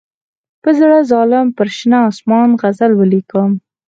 په زړه ظالم پر شنه آسمان غزل ولیکم.